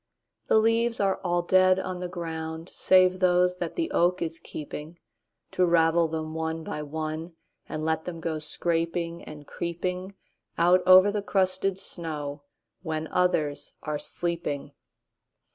The leaves are all dead on the ground, Save those that the oak is keepingTo ravel them one by oneAnd let them go scraping and creepingOut over the crusted snow, When others are sleeping.